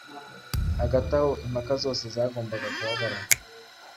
Hagati aho impaka zose zagombaga guhagarara